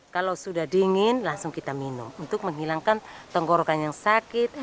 kalau sudah dingin langsung kita minum untuk menghilangkan tenggorokan yang sakit